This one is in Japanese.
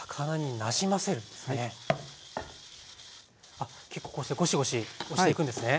あっ結構こうしてゴシゴシ押していくんですね。